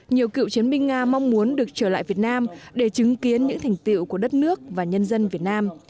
nhiều cựu chiến binh nga mong muốn được trở lại việt nam để chứng kiến những thành tiệu của đất nước và nhân dân việt nam